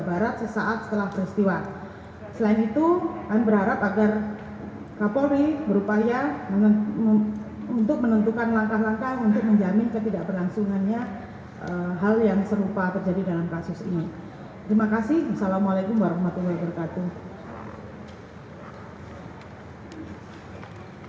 agar pulih situasi mentalnya dan dapat memberikan kemampuan untuk memperbaiki kemampuan penyelidikan dan penyelidikan